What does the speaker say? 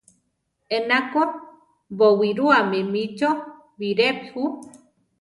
Ena ko bowirúame mí chó birepi ju.